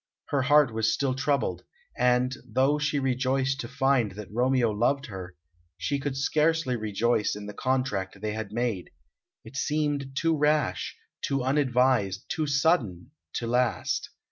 Her heart was still troubled, and, though she rejoiced to find that Romeo loved her, she could scarcely rejoice in the contract they had made; it seemed too rash, too unadvised, too sudden, to last.